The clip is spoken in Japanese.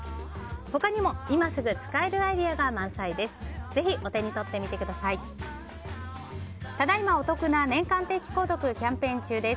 他にも、今すぐ使えるアイデアが満載です。